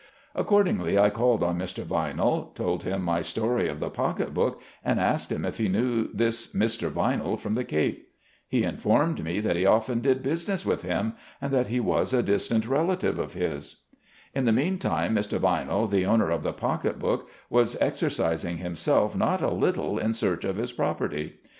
Accordingly I called on Mr. Vinell, told him my story of the pocket book, and asked him if he knew this Mr. Vinell, from the Cape. He informed me that he often did business 128 SLAVE CABIN TO PULPIT. with him, and that he was a distant relative of his. In the meantime Mr. Vinell, the owner of the pocket book, was exercising himself not a little in search of his property.